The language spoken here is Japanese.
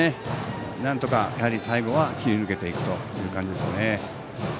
なんとか最後は切り抜けていくという感じですね。